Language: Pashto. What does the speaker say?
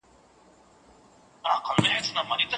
آيا د مطالعې نسل کولای سي د هېواد برخليک بدل کړي؟